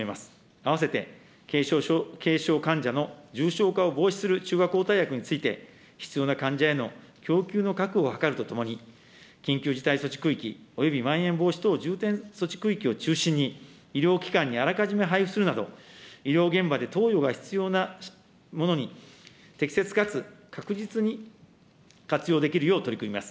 併せて、軽症患者の重症化を防止する中和抗体薬について、必要な患者への供給の確保を図るとともに、緊急事態措置区域、およびまん延防止等重点措置区域を中心に、医療機関にあらかじめ配布するなど、医療現場で投与が必要なものに適切かつ確実に活用できるよう取り組みます。